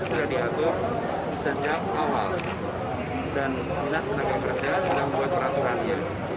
jadi shift itu sudah diatur sejak awal dan pilihan penagih kerja dalam dua peraturan ya